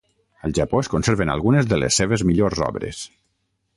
Al Japó es conserven algunes de les seves millors obres.